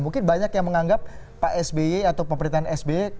mungkin banyak yang menganggap pak sby atau pemerintahan sby